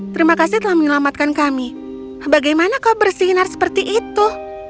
terima kasih telah menyelamatkan kami bagaimana kau bersinar seperti itu